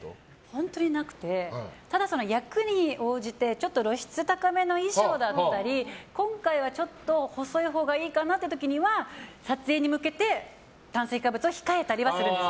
本当になくてただ、役に応じてちょっと露出高めの衣装だったり今回はちょっと細いほうがいいかなっていう時には撮影に向けて炭水化物を控えたりはするんです。